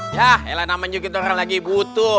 yah elah nama juga kita lagi butuh